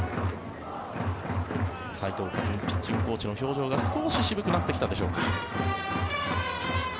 斉藤和巳ピッチングコーチの表情が少し渋くなってきたでしょうか。